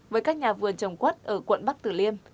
với các nhà vườn trồng quất ở quận bắc tử liêm